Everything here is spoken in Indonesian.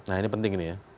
nah ini penting nih ya